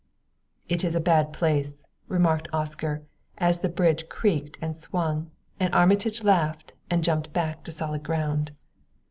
"It is a bad place," remarked Oscar, as the bridge creaked and swung, and Armitage laughed and jumped back to solid ground.